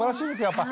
やっぱ。